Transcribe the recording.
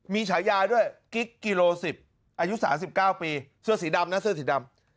มีฉายาด้วยกิ๊กกิโล๑๐อายุ๓๙ปีเสื้อสีดำนะเสื้อสีดำ